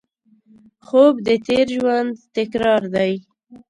خوب د تېر ژوند تکرار دی